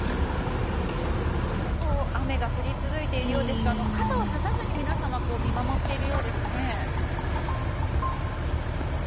雨が降り続いているようですが傘を差さずに皆さん見守っているようですね。